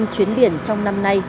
năm chuyến biển trong năm nay